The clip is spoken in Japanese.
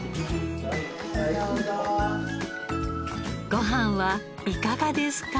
ごはんはいかがですか？